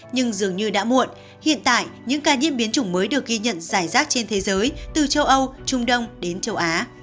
nhưng dường như đã muộn hiện tại những ca nhiễm biến chủng mới được ghi nhận giải rác trên thế giới từ châu âu trung đông đến châu á